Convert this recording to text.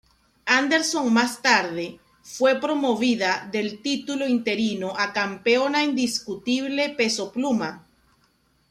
Anderson más tarde fue promovida del título interino a campeona indiscutible peso pluma.